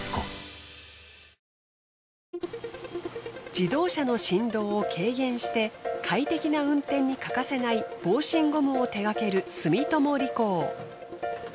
自動車の振動を軽減して快適な運転に欠かせない防振ゴムを手がける住友理工。